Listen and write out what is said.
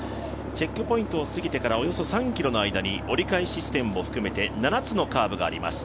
チェックポイントを過ぎてからおよそ３ｋｍの間に折り返し地点も含めて７つのカーブがあります